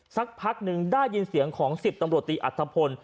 สักพักหนึ่งได้ยินเสียงของ๑๐ตำรวจตีอัฐพล